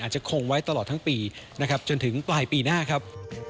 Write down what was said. จะคงไว้ตลอดทั้งปีนะครับจนถึงปลายปีหน้าครับ